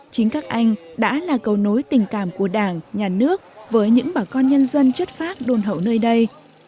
chính các anh đã là cầu nối tình cảm của đảng nhà nước với những bà con nhân dân chất phác đôn hậu nơi đây